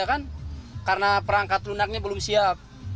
ya kan karena perangkat lunaknya belum siap